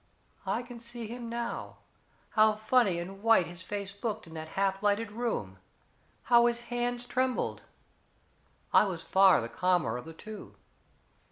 I can see him now how funny and white his face looked in that half lighted room how his hands trembled. I was far the calmer of the two.